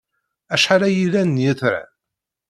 Acḥal ay yellan n yitran?